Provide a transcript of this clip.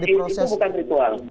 itu bukan ritual